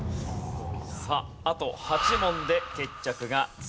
さああと８問で決着がつきます。